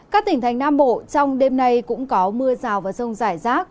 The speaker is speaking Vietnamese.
các tỉnh thành nam bộ trong đêm nay cũng có mưa rào và rông rải rác